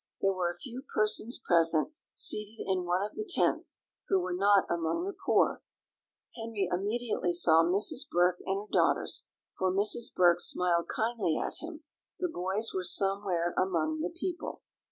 There were a few persons present, seated in one of the tents, who were not among the poor. Henry immediately saw Mrs. Burke and her daughters, for Mrs. Burke smiled kindly at him; the boys were somewhere among the people.